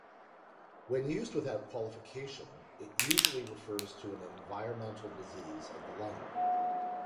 When used without qualification, it usually refers to an environmental disease of the lung.